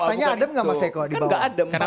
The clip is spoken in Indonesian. faktanya adem tidak mas eko di bawah